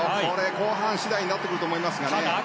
後半次第になってくると思います。